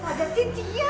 pasti ada cincin ya